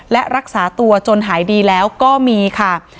และรักษาตัวจนหายดีแล้วก็มีค่ะ